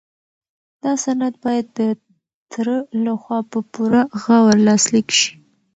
دا سند باید د تره لخوا په پوره غور لاسلیک شي.